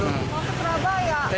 masuk kerabat ya